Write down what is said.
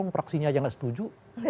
mungkin praksinya aja tidak setuju